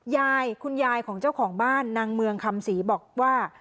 ยายคุณยายของเจ้าของบ้านนางเมืองคำศรีบอกว่า